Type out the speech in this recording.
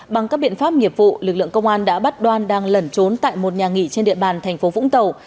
bằng các biện pháp nghiệp vụ lực lượng công an đã bắt đoan đang lẩn trốn tại một nhà nghỉ trên địa bàn thành phố vũng tàu